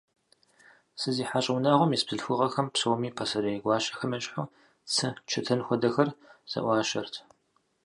СызихьэщӀэ унагъуэм ис бзылъхугъэхэм псоми, пасэрей гуащэхэм ещхьу, цы, чэтэн хуэдэхэр зэӀуащэрт.